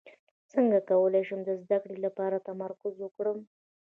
څنګه کولی شم د زده کړې لپاره تمرکز وکړم